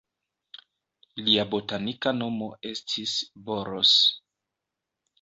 Lia botanika nomo estis "Boros".